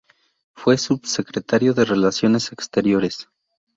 Fue subsecretario de Relaciones Exteriores.